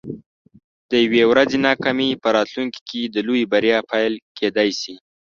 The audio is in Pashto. د یوې ورځې ناکامي په راتلونکي کې د لویې بریا پیل کیدی شي.